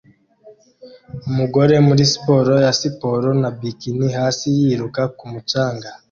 Umugore muri siporo ya siporo na bikini hasi yiruka ku mucanga